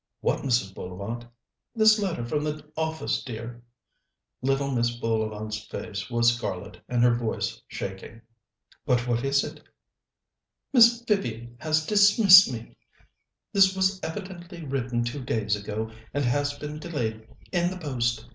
"What, Mrs. Bullivant?" "This letter from the office, dear." Little Mrs. Bullivant's face was scarlet, and her voice shaking. "But what is it?" "Miss Vivian has dismissed me. This was evidently written two days ago, and has been delayed in the post.